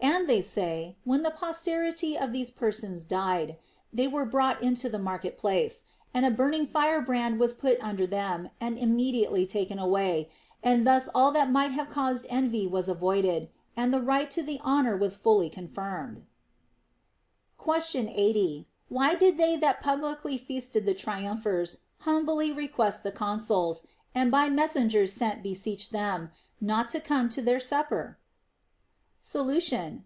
And they say, when the posterity of these persons died, they were brought into the market place, and a burn ing firebrand was put under them and immediately taken away ; and thus all that might have caused envy was avoided, and the right to the honor was fully con tinued. Question 80. Why did they that publicly feasted the triumphers humbly request the consuls, and by messengers sent beseech them, not to come to their supper 1 Solution.